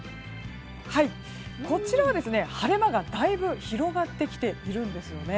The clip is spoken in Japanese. こちらは、晴れ間がだいぶ広がってきているんですよね。